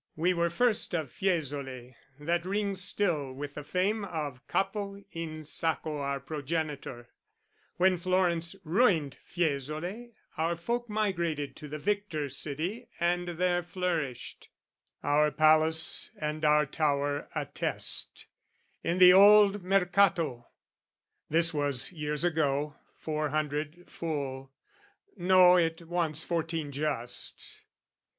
We were first Of Fiesole, that rings still with the fame Of Capo in Sacco our progenitor: When Florence ruined Fiesole, our folk Migrated to the victor city, and there Flourished, our palace and our tower attest, In the Old Mercato, this was years ago, Four hundred, full, no, it wants fourteen just.